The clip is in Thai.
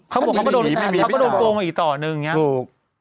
เขาบอกว่าเขาก็โกงอีกต่อหนึ่งอย่างนี้